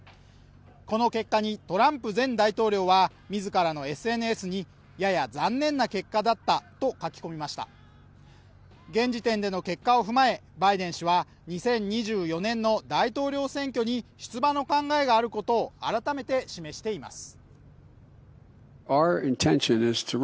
この結果にトランプ前大統領はみずからのＳＮＳにやや残念な結果だったと書き込みました現時点での結果を踏まえバイデン氏は２０２４年の大統領選挙に出馬の考えがあることを改めて示しています